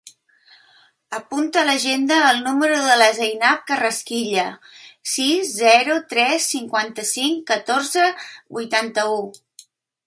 Apunta a l'agenda el número de la Zainab Carrasquilla: sis, zero, tres, cinquanta-cinc, catorze, vuitanta-u.